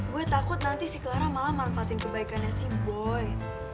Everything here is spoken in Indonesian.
gue takut nanti si clara malah manfaatin kebaikannya si boy